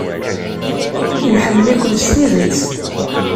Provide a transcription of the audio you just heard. Nḥemmel-iken s tidet.